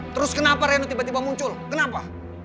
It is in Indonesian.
terus kenapa reno tiba tiba muncul kenapa